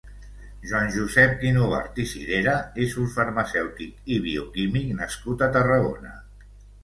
Joan Josep Guinovart i Cirera és un farmacèutic i bioquímic nascut a Tarragona.